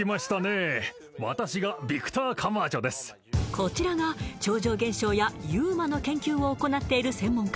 こちらが超常現象やＵＭＡの研究を行っている専門家